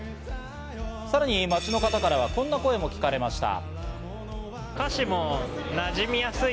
さらに街の方からこんな声も聞かれました。